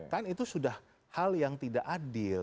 kan itu sudah hal yang tidak adil